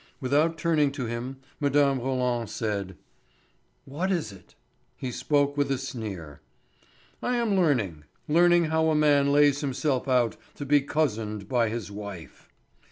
Without turning to him Mme. Roland said: "What is it?" He spoke with a sneer. "I am learning. Learning how a man lays himself out to be cozened by his wife."